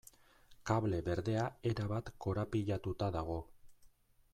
Kable berdea erabat korapilatuta dago.